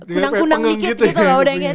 kunang kunang dikit gitu udah kayak